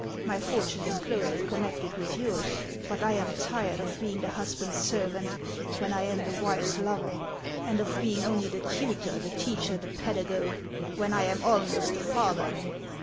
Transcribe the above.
My fortune is closely connected with yours ; but I am tired of being the husband's servant when I am the wife's lover, and of being only the tutor, the teacher, the pedagogue, when I am almost the father."